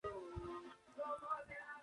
Con ninguno de los dos fue bien recibido.